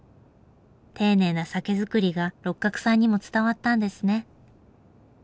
丁寧な酒造りが六角さんにも伝わったんですね。